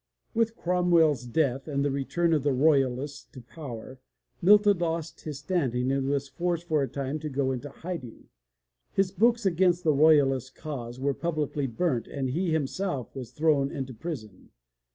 With Cromweirs death and the return of the Royalists to power, Milton lost his standing and was forced for a time to go into hiding. His books against the Royalist cause were publicly burnt and he himself was thrown into prison.